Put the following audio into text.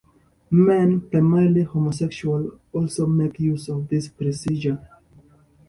Men, primarily homosexual, also make use of this procedure.